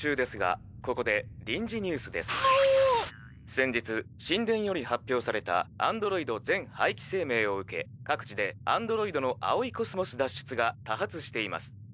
先日神殿より発表されたアンドロイド全廃棄声明を受け各地でアンドロイドの葵宇宙脱出が多発しています。